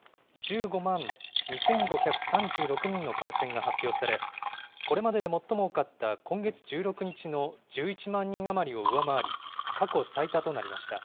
１５万２５３６人の感染が発表され、これまでで最も多かった今月１６日の１１万人余りを上回り、過去最多となりました。